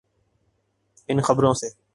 ان خبروں سے؟